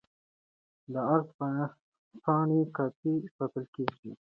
د عرض پاڼې کاپي ساتل کیږي.